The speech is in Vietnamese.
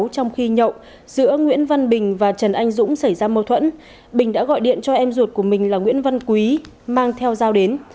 trong khi nhậu giữa nguyễn văn bình và trần anh dũng xảy ra mâu thuẫn bình đã gọi điện cho em ruột của mình là nguyễn văn quý mang theo dao đến